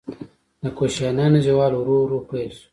د کوشانیانو زوال ورو ورو پیل شو